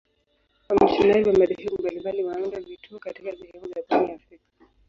Wamisionari wa madhehebu mbalimbali waliunda vituo katika sehemu za pwani ya Afrika.